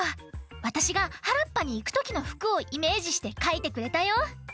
わたしがはらっぱにいくときのふくをイメージしてかいてくれたよ。